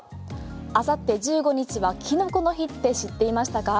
あさって１５日はキノコの日って知っていましたか。